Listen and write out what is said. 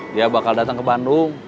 dia bakal datang ke bandung